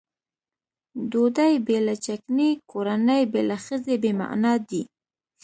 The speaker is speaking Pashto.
ډوډۍ بې له چکنۍ کورنۍ بې له ښځې بې معنا دي.